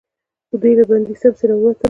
دوئ له بندې سمڅې ووتل.